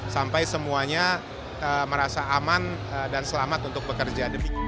sampai semuanya merasa aman dan selamat untuk bekerja